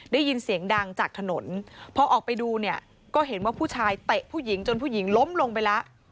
ได้ยินเสียงดังจากถนนพอออกไปดูเนี่ยก็เห็นว่าผู้ชายเตะผู้หญิงจนผู้หญิงล้มลงไปแล้ว